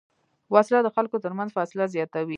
وسله د خلکو تر منځ فاصله زیاتوي